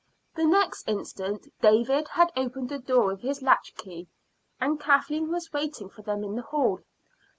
The next instant David had opened the door with his latchkey, and Kathleen was waiting for them in the hall.